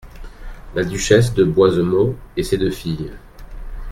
La duchesse de Boisemont et ses deux filles.